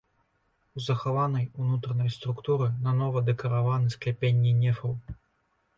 У захаванай унутранай структуры нанова дэкараваны скляпенні нефаў.